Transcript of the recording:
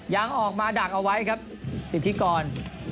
ยังออกมาดักเอาไว้ครับสิทธิกร